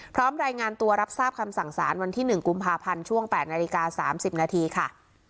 รายงานตัวรับทราบคำสั่งสารวันที่๑กุมภาพันธ์ช่วง๘นาฬิกา๓๐นาทีค่ะ